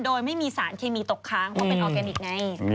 โดยไม่มีสารเคมีตกค้างเพราะเป็นออร์แกนิคไง